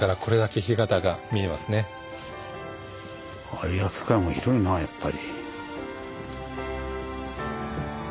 有明海も広いなやっぱり。